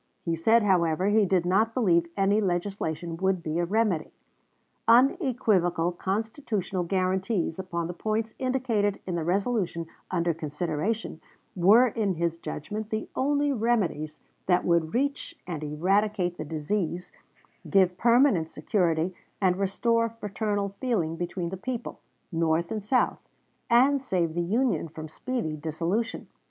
He said, however, he did not believe any legislation would be a remedy. Unequivocal constitutional guarantees upon the points indicated in the resolution under consideration were in his judgment the only remedies that would reach and eradicate the disease, give permanent security, and restore fraternal feeling between the people, North and South, and save the Union from speedy dissolution.